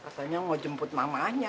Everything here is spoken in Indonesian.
rasanya mau jemput mamahnya